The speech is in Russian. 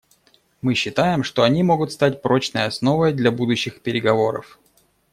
Мы считаем, что они могут стать прочной основой для будущих переговоров.